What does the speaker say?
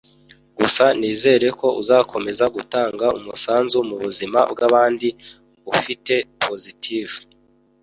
gusa nizere ko uzakomeza gutanga umusanzu mubuzima bwabandi ufite positif